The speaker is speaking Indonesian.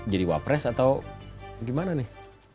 wapres atau gimana nih